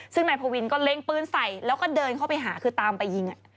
ซึ่งนายพวินก็เล็งปืนใส่แล้วก็เดินเข้าไปหาคือตามไปยิง